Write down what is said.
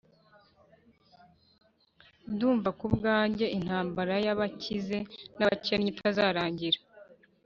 Ndumva ku bwanjye intambara y’abakize n’abakennye itazarangira